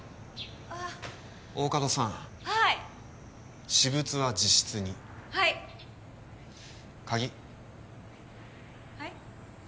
大加戸さんはい私物は自室にはい鍵はい？